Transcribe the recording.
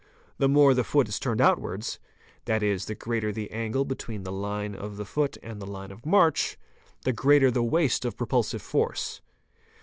The more the foot is turned outwards—that is, the greater the angle between the line of the foot and © the line of march—the greater the waste of propulsive force.